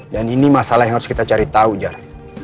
dan ini masalah yang harus kita cari tahu jar